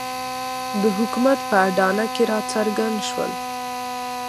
د حکومت په اډانه کې راڅرګند شول.